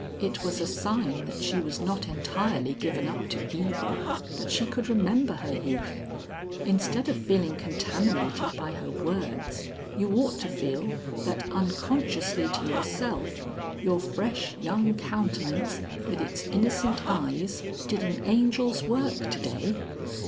It was a sign that she was not entirely given up to evil, that she could remember her youth. Instead of feeling contaminated by her words, you ought to feel, that unconsciously to yourself, your fresh young countenance with its innocent eyes did an angel's work to day.